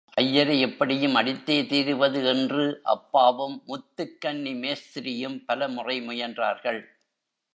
ஐயரை எப்படியும் அடித்தே தீருவது என்று அப்பாவும் முத்துக்கன்னி மேஸ்திரியும் பலமுறை முயன்றார்கள்.